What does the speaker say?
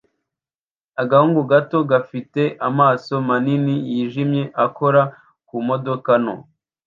Agahungu gato gafite amaso manini yijimye akora ku modoka nto